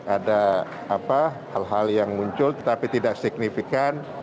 ada hal hal yang muncul tetapi tidak signifikan